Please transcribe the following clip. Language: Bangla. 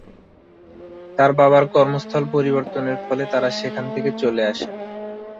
তার বাবার কর্মস্থল পরিবর্তনের ফলে তারা সেখান থেকে চলে আসেন।